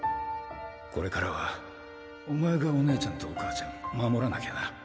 これからはお前がお姉ちゃんとお母ちゃん守らなきゃな。